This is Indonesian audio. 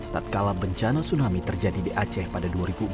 tak kalah bencana tsunami terjadi di aceh pada dua ribu empat